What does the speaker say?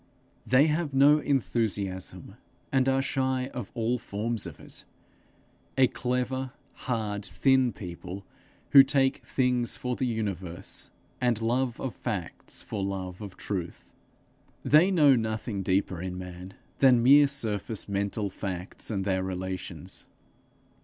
They have no enthusiasm, and are shy of all forms of it a clever, hard, thin people, who take things for the universe, and love of facts for love of truth. They know nothing deeper in man than mere surface mental facts and their relations.